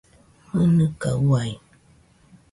¡Mɨnɨka uai!